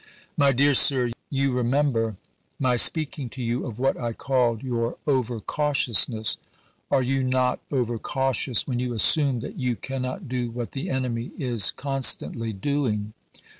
My Dear Sir : You remember my speaking to you * of what I called your over cautiousness. Are you not over cautious when you assume that you cannot do 182 ABKAHAM LINCOLN Chap. IX. what the enemy is constantly doing